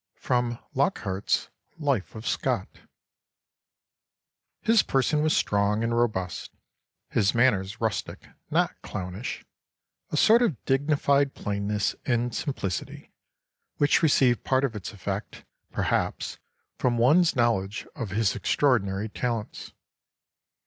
[Sidenote: Lockhart's Life of Scott.] "His person was strong and robust; his manners rustic, not clownish; a sort of dignified plainness and simplicity, which received part of its effect, perhaps, from one's knowledge of his extraordinary talents.